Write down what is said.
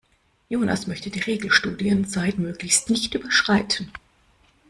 Jonas möchte die Regelstudienzeit möglichst nicht überschreiten.